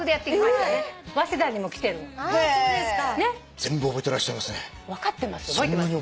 全部覚えてらっしゃいますね。